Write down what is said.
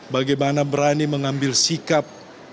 bagaimana berani mengambil sikap